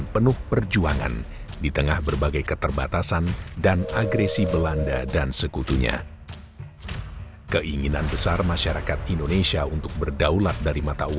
pelajaran penerbangan dan agresi belanda